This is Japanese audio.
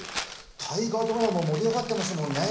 「大河ドラマ」も盛り上がってますもんね。